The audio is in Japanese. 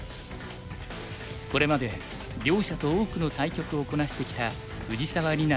これまで両者と多くの対局をこなしてきた藤沢里菜